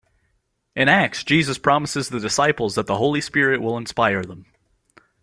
In Acts, Jesus promises the disciples that the Holy Spirit will inspire them.